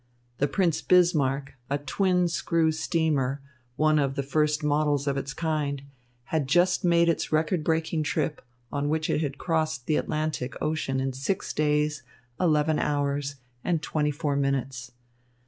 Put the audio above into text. The Prince Bismarck, a twin screw steamer, one of the first models of its kind, had just made its record breaking trip, in which it had crossed the Atlantic Ocean in six days, eleven hours, and twenty four minutes.